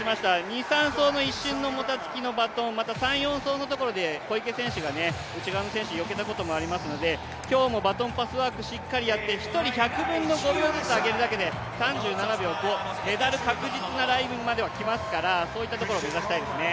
２、３走の一瞬のバトンのもたつきと３走、小池選手が内側の選手をよけたこともありますので、今日もバトンパスワークをしっかりやって１人１００分の５秒ずつ上げるだけで３７秒５、メダル確実なラインまでは来ますから、そういうところまでは目指したいですね。